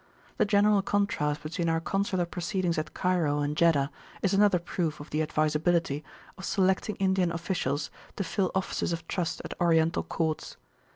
The general contrast between our Consular proceedings at Cairo and Jeddah is another proof of the advisability of selecting Indian officials to fill offices of trust at Oriental courts.